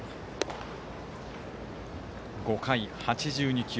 ５回、８２球。